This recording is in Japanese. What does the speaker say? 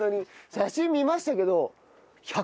写真見ましたけど１８５？